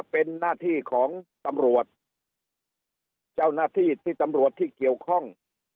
เป็นหน้าที่ของตำรวจเจ้าหน้าที่ที่ตำรวจที่เกี่ยวข้อง